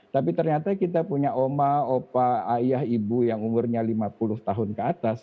tapi ternyata kita punya oma opa ayah ibu yang umurnya lima puluh tahun ke atas